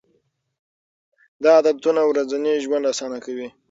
دا عادتونه ورځنی ژوند اسانه کوي.